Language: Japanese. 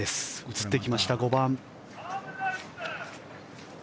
映ってきました、５番。